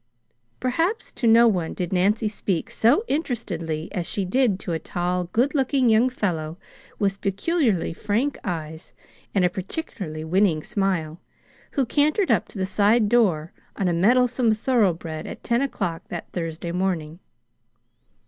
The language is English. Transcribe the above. Perhaps to no one did Nancy speak so interestedly as she did to a tall, good looking young fellow with peculiarly frank eyes and a particularly winning smile, who cantered up to the side door on a mettlesome thoroughbred at ten o'clock that Thursday morning.